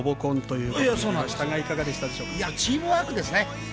いやチームワークですね。